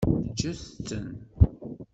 Ǧǧet-ten.